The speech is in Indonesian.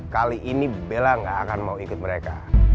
kali ini bella gak akan mau ikut mereka